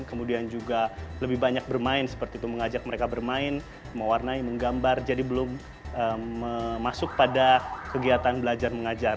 kemudian juga lebih banyak bermain seperti itu mengajak mereka bermain mewarnai menggambar jadi belum masuk pada kegiatan belajar mengajar